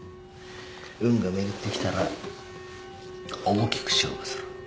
運が巡ってきたら大きく勝負する。